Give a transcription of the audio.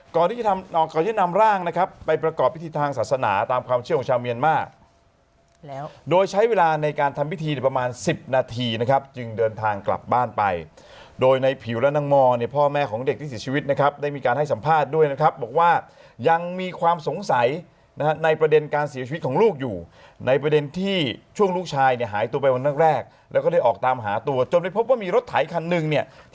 ก่อนที่จะนำร่างนะครับไปประกอบพิธีทางศาสนาตามความเชื่อของชาวเมียนมาร์แล้วโดยใช้เวลาในการทำพิธีประมาณสิบนาทีนะครับจึงเดินทางกลับบ้านไปโดยในผิวและนางมอเนี่ยพ่อแม่ของเด็กที่เสียชีวิตนะครับได้มีการให้สัมภาษณ์ด้วยนะครับบอกว่ายังมีความสงสัยนะฮะในประเด็นการเสียชีวิตของ